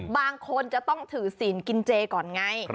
บางคนจะต้องถือศีลกินเจก่อนไง